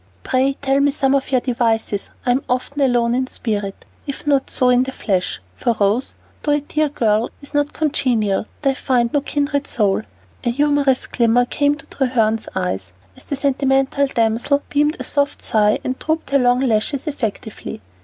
"Pray tell me some of your devices, I'm often alone in spirit, if not so in the flesh, for Rose, though a dear girl, is not congenial, and I find no kindred soul." A humorous glimmer came to Treherne's eyes, as the sentimental damsel beamed a soft sigh and drooped her long lashes effectively.